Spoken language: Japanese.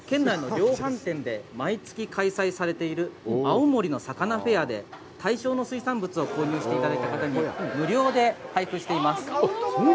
こちらのカードは、県内の量販店で毎月開催されている「あおもりの肴フェア」で対象の水産物を購入していただいた方に無料で配布しています。